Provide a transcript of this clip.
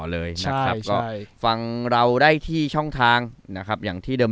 เลยนะครับก็ฟังเราได้ที่ช่องทางนะครับอย่างที่เดิม